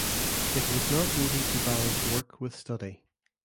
It was not easy to balance work with study.